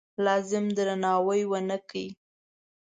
لازم درناوی ونه کړ.